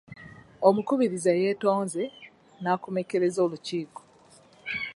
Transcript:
Omukubiriza yeetonzo n'akomekkereza olukiiko.